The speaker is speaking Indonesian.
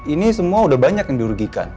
ini semua udah banyak yang dirugikan